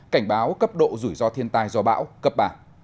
cảnh báo cấp độ rủi ro thiên tai do bão cấp ba